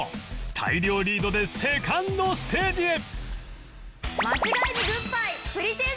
大量リードで ２ｎｄ ステージへ